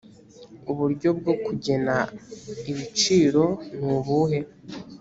uburyo bwo kugena ibicironubuhe